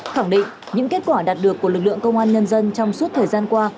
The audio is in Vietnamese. khẳng định những kết quả đạt được của lực lượng công an nhân dân trong suốt thời gian qua